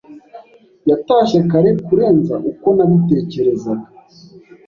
Yatashye kare kurenza uko nabitekerezaga.